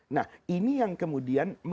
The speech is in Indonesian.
nah ini yang kemudian